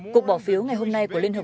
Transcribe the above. cục bỏ phiếu ngày hôm nay của liên hợp quốc